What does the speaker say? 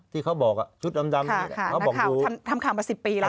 ที่เขาบอกชุดดำนักข่าวทำข่าวมา๑๐ปีแล้ว